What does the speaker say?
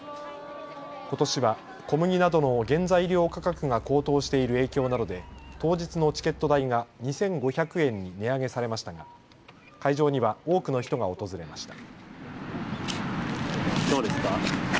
ことしは小麦などの原材料価格が高騰している影響などで当日のチケット代が２５００円に値上げされましたが会場には多くの人が訪れました。